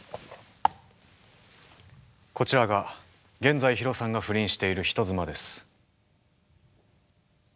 こちらが現在ヒロさんが不倫している人妻です。